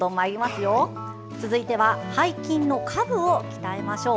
続いては背筋の下部を鍛えましょう。